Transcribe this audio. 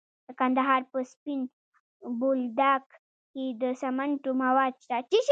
د کندهار په سپین بولدک کې د سمنټو مواد شته.